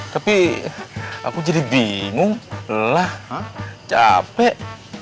tapi aku jadi bingung lelah capek